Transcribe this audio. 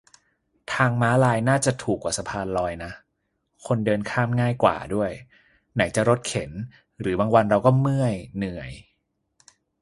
ทางม้าลายน่าจะถูกกว่าสะพานลอยนะ คนเดินข้ามง่ายกว่าด้วย ไหนจะรถเข็น หรือบางวันเราก็เมื่อย เหนื่อย